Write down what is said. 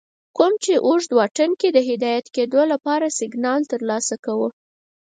کوم چې اوږد واټن کې د هدایت کېدو لپاره سگنال ترلاسه کوه